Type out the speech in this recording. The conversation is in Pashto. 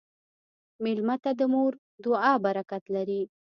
مېلمه ته د مور دعا برکت لري.